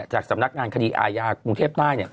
จากสำนักงานคดีอาญากรุงเทพใต้